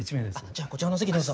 じゃあこちらのお席どうぞ。